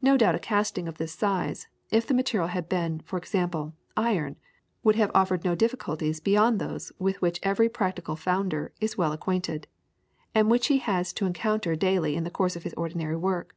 No doubt a casting of this size, if the material had been, for example, iron, would have offered no difficulties beyond those with which every practical founder is well acquainted, and which he has to encounter daily in the course of his ordinary work.